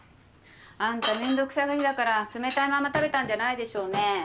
あんためんどくさがりだから冷たいまま食べたんじゃないでしょうね？